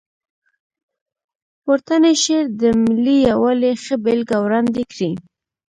پورتنی شعر د ملي یووالي ښه بېلګه وړاندې کړې.